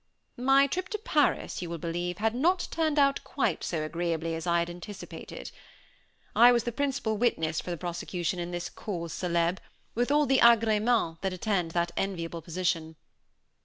My trip to Paris, you will believe, had not turned out quite so agreeably as I had anticipated. I was the principal witness for the prosecution in this cause célèbre, with all the agrémens that attend that enviable position.